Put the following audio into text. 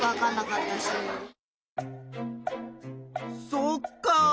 そっか。